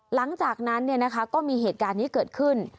หลังจากนั้นก็มีเหตุการณ์นี้เกิดขึ้น